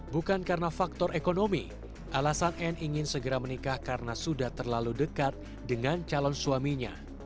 bukan karena faktor ekonomi alasan anne ingin segera menikah karena sudah terlalu dekat dengan calon suaminya